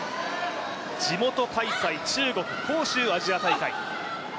地元開催、中国・杭州アジア大会。